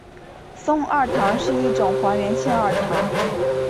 松二糖是一种还原性二糖。